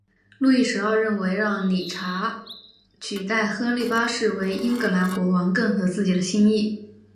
路易十二认为让理查取代亨利八世为英格兰国王更合自己的心意。